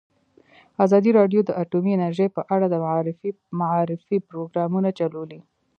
ازادي راډیو د اټومي انرژي په اړه د معارفې پروګرامونه چلولي.